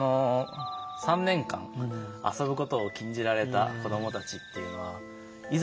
３年間遊ぶことを禁じられた子どもたちっていうのはいざ